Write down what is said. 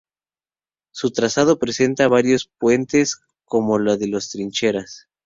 Su trazado presenta varios puentes, como el de "las Trincheras".